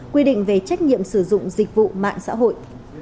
quy định về trách nhiệm sử dụng dịch vụ mạng xã hội